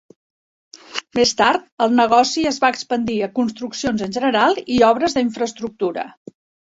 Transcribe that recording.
Més tard, el negoci es va expandir a construccions en general i obres d'infraestructura.